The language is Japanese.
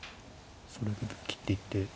それで切っていって。